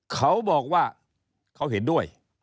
เขาบอกว่าเขาเห็นด้วย